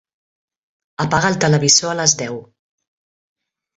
Apaga el televisor a les deu.